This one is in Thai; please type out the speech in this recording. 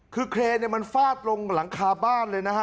คือเครนมันฟาดลงหลังคาบ้านเลยนะฮะ